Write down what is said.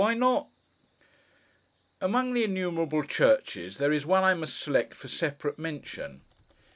Why not?' Among the innumerable churches, there is one I must select for separate mention.